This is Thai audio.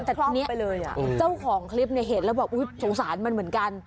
แต่เนี่ยเจ้าของคลิปเห็นแล้วบอกโฉงสารมันเหมือนกัน